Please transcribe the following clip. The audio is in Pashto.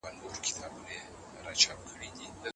د حقیقت سپړل تر شهرت ډېر ارزښت لري.